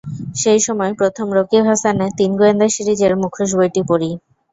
সেই সময় প্রথম রকিব হাসানের তিন গোয়েন্দা সিরিজের মুখোশ বইটি পড়ি।